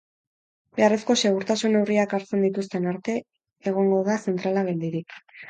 Beharrezko segurtasun neurriak hartzen dituzten arte egongo da zentrala geldirik.